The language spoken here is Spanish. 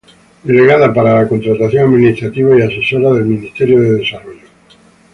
Delegada para la Contratación Administrativa y Asesora del Ministerio de Desarrollo.